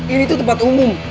ini tuh tempat umum